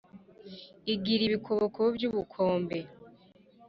Igira ibikobokobo by'ubukombe,